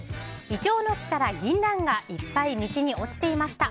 イチョウの木から銀杏がいっぱい道に落ちていました。